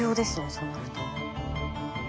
そうなると。